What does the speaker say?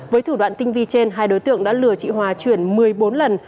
với thủ đoạn tinh vi trên hai đối tượng đã lừa chị hòa chuyển một mươi bốn lần